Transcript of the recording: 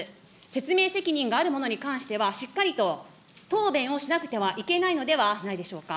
説明責任があるものに関しては、しっかりと答弁をしなくてはいけないのではないでしょうか。